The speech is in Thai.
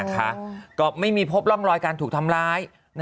ก็ไม่มีพบร่องรอยการถูกทำร้าย